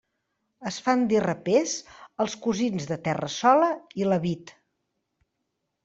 Es fan dir rapers, els cosins de Terrassola i Lavit.